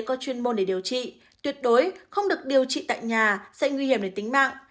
có chuyên môn để điều trị tuyệt đối không được điều trị tại nhà sẽ nguy hiểm đến tính mạng